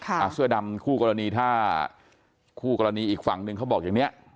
อ่าเสื้อดำคู่กรณีถ้าคู่กรณีอีกฝั่งหนึ่งเขาบอกอย่างเนี้ย